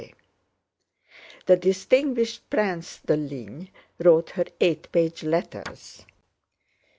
*(2) The distinguished Prince de Ligne wrote her eight page letters.